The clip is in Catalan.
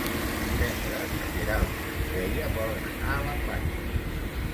Divendres na Queralt i na Mireia volen anar a la platja.